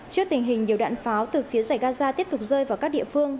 trước tình hình nhiều đạn pháo từ phía giải gaza tiếp tục rơi vào các địa phương